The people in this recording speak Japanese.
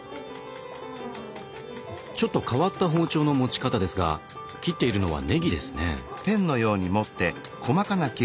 ちょっと変わった包丁の持ち方ですが切っているのはねぎですね。